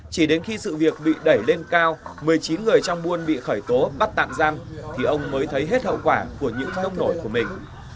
chỉ đến khi sự việc bị đẩy lên cao một mươi chín người trong buôn lang cũng đã giáo diết đi theo nhóm người trên